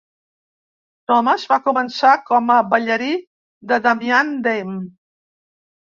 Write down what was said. Thomas va començar com a ballarí de Damian Dame.